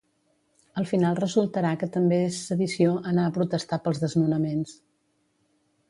Al final resultarà que també és sedició anar a protestar pels desnonaments.